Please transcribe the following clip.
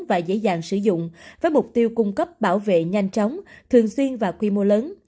và dễ dàng sử dụng với mục tiêu cung cấp bảo vệ nhanh chóng thường xuyên và quy mô lớn